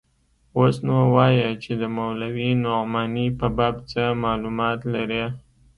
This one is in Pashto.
اوس نو وايه چې د مولوي نعماني په باب څه مالومات لرې.